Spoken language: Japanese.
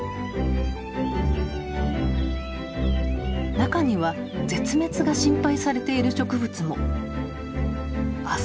中には絶滅が心配されている植物も。